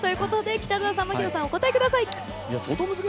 北澤さん、槙野さん、お答えください。